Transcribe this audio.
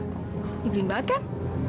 njablin banget kan